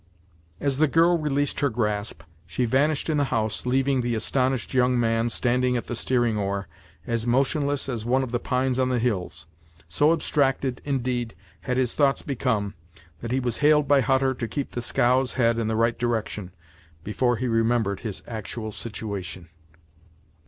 As the girl released her grasp, she vanished in the house, leaving the astonished young man standing at the steering oar, as motionless as one of the pines on the hills. So abstracted, indeed, had his thoughts become, that he was hailed by Hutter to keep the scow's head in the right direction, before he remembered his actual situation.